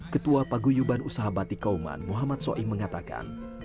ketua paguyuban usaha batik kauman muhammad soim mengatakan